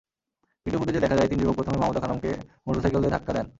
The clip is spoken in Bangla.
ভিডিও ফুটেজে দেখা যায়, তিন যুবক প্রথমে মাহমুদা খানমকে মোটরসাইকেল দিয়ে ধাক্কা দেন।